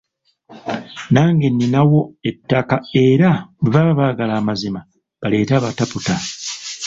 Nange nninawo ettaka era bwe baba baagala amazima baleete abataputa